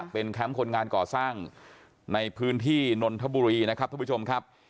เป็นแคมป์คนงานก่อสร้างในพื้นที่นนทบุรีนะครับทุกผู้ชมครับ